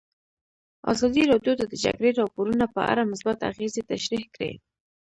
ازادي راډیو د د جګړې راپورونه په اړه مثبت اغېزې تشریح کړي.